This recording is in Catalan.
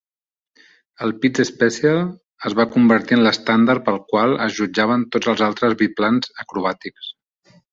El Pitts Special es va convertir en l'estàndard pel qual es jutjaven tots els altres biplans acrobàtics.